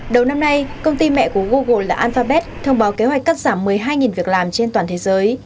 đầu năm nay công ty mẹ của google là alphabet thông báo kế hoạch cắt giảm một mươi hai việc làm trên toàn thế giới